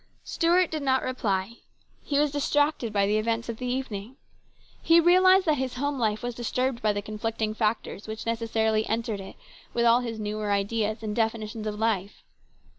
Stuart did not reply. He was distracted by the events of the evening. He realised that his home life was disturbed by the conflicting factors which necessarily entered it with all his newer ideas and definitions of life.